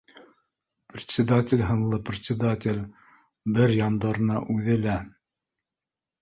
Председатель һынлы председатель бер яндарына үҙе лә